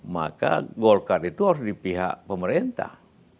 maka golkar itu harus di pihak pemerintah